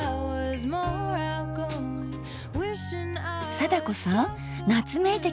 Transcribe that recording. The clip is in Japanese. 貞子さん夏めいてきました。